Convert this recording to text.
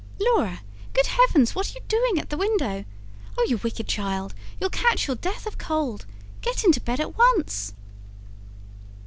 "Laura, good heavens, what are you doing at the window? Oh, you wicked child, you'll catch your death of cold! Get into bed at once."